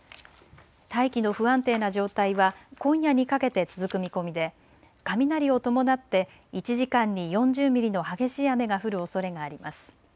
大気の不安定な状態は今夜にかけて続く見込みで雷を伴って１時間に４０ミリの激しい雨が降るおそれがあります。